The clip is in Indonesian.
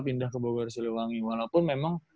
pindah ke bogor siliwangi walaupun memang